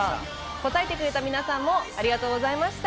答えてくれた皆さんもありがとうございました。